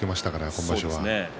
今場所は。